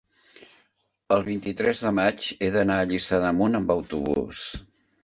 el vint-i-tres de maig he d'anar a Lliçà d'Amunt amb autobús.